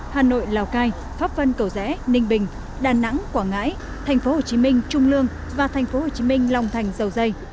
hà nội lào cai pháp vân cầu rẽ ninh bình đà nẵng quảng ngãi tp hcm trung lương và tp hcm long thành dầu dây